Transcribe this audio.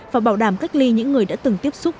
và bảo đảm cách ly những người đã từng tiếp xúc